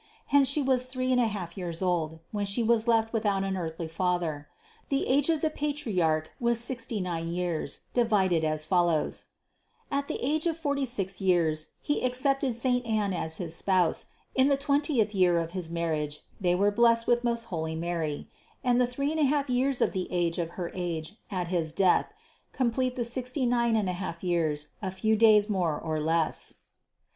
Hence She was three and a half years old, when She was left without an earthly father. The age of the patriarch was sixty nine years, divided as follows : at the age of forty six years he accepted saint Anne as his spouse, in the twentieth year of his marriage, they were blessed with most holy Mary ; and the three and a half years of the age of her age at his death complete the sixty nine and a half years, a few days more or less.